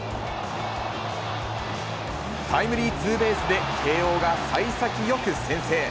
タイムリーツーベースで慶応がさい先よく先制。